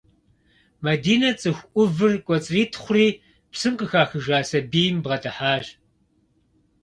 Мадинэ цӏыху ӏувыр кӏуэцӏритхъури псым къыхахыжа сабийм бгъэдыхьащ.